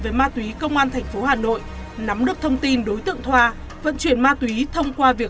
với ma túy công an thành phố hà nội nắm được thông tin đối tượng thoa vận chuyển ma túy thông qua việc